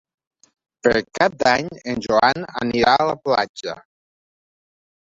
Per Cap d'Any en Joan anirà a la platja.